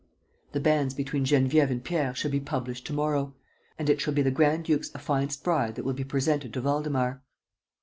The banns between Geneviève and Pierre shall be published to morrow. And it shall be the grand duke's affianced bride that will be presented to Waldemar."